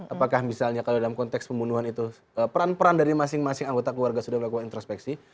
apakah misalnya kalau dalam konteks pembunuhan itu peran peran dari masing masing anggota keluarga sudah melakukan introspeksi